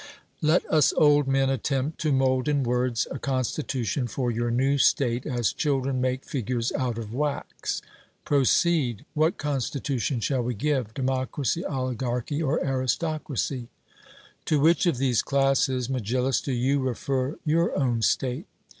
Let us old men attempt to mould in words a constitution for your new state, as children make figures out of wax. 'Proceed. What constitution shall we give democracy, oligarchy, or aristocracy?' To which of these classes, Megillus, do you refer your own state?